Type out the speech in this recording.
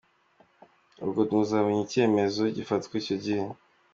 Ubwo muzamenya icyemezo kizafatwa icyo gihe.